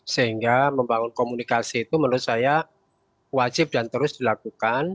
sehingga membangun komunikasi itu menurut saya wajib dan terus dilakukan